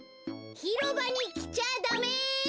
ひろばにきちゃダメ！